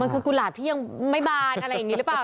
มันคือกุหลาบที่ยังไม่บานอะไรอย่างนี้หรือเปล่า